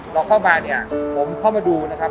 เราเข้ามาเนี่ยผมเข้ามาดูนะครับ